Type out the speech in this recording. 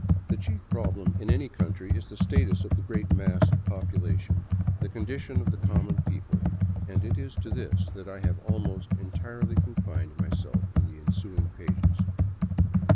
The chief problem in any country is the status of the great mass of population, the condi tion of the common people, and it is to this that I have almost en tirely confined myself in the ensuing pages.